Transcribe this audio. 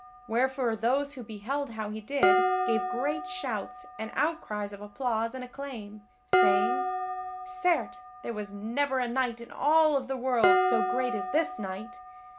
Wherefore those who beheld how he did gave great shouts and outcries of applause and acclaim, saying: "Certes, there was never knight in all of the world so great as this knight.